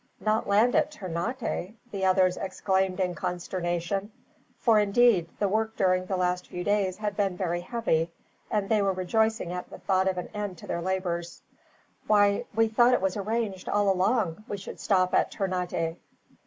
"Not land at Ternate?" the others exclaimed in consternation; for indeed, the work during the last few days had been very heavy, and they were rejoicing at the thought of an end to their labors "Why, we thought it was arranged, all along, we should stop at Ternate."